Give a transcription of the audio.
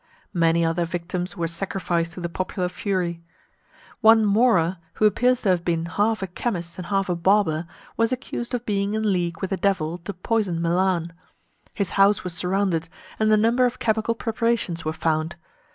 Many other victims were sacrificed to the popular fury. One Mora, who appears to have been half a chemist and half a barber, was accused of being in league with the Devil to poison Milan. His house was surrounded, and a number of chemical preparations were found.